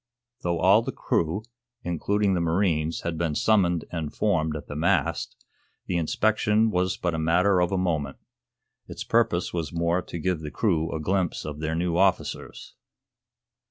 Though all the crew, including the marines, had been summoned and formed at the mast, the inspection was but a matter of a moment. Its purpose was more to give the crew a glimpse of their new officers.